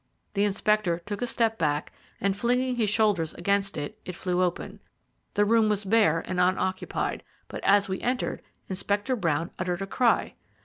The inspector took a step back, and, flinging his shoulders against it, it flew open. The room was bare and unoccupied, but, as we entered, Inspector Brown uttered a cry.